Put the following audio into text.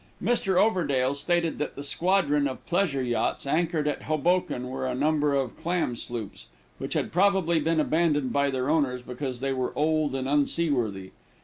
Mr. Overdale stated that the squadron of pleasure yachts anchored at Hoboken were a number of clam sloops, which had probably been abandoned by their owners, because they were old and unseaworthy.